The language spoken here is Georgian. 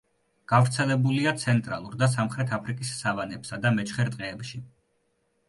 გავრცელებულია ცენტრალურ და სამხრეთ აფრიკის სავანებსა და მეჩხერ ტყეებში.